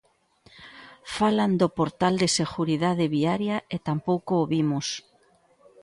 Falan do Portal de seguridade viaria e tampouco o vimos.